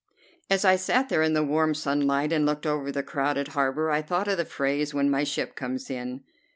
As I sat there in the warm sunlight and looked over the crowded harbor, I thought of the phrase, "When my ship comes in."